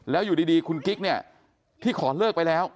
แล้วอยู่ดีคุณกิ๊กเนี่ยที่ขอเลิกไปแล้ว